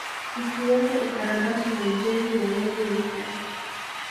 Ikiwemo ukarabati na ujenzi wa meli mpya